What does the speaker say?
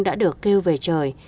đã được kêu về trời